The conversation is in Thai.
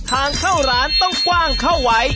ทางเข้าร้านต้องกว้างเข้าไว้